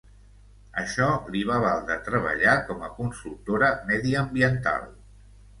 Això li va valdre treballar com a consultora mediambiental.